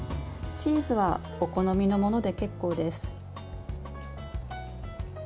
チーズはお好みのもので結構です。